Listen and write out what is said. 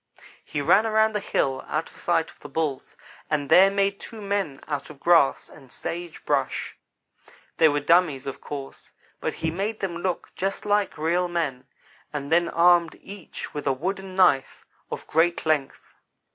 "He ran around the hill out of sight of the Bulls, and there made two men out of grass and sage brush. They were dummies, of course, but he made them to look just like real men, and then armed each with a wooden knife of great length.